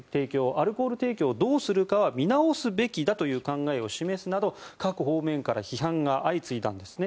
アルコール提供をどうするかは見直すべきだという考えを示すなど各方面から批判が相次いだんですね。